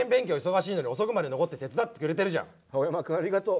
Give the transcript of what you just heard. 青山君ありがとう！